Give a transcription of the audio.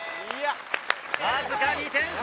わずか２点差。